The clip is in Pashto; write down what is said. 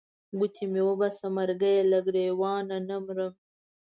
ګوتې مې وباسه مرګیه له ګرېوانه نه مرم.